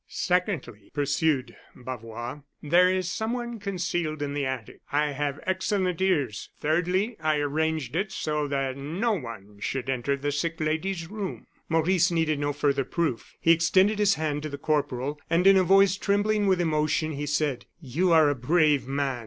"Secondly," pursued Bavois, "there is someone concealed in the attic. I have excellent ears. Thirdly, I arranged it so that no one should enter the sick lady's room." Maurice needed no further proof. He extended his hand to the corporal, and, in a voice trembling with emotion, he said: "You are a brave man!"